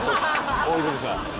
大泉さん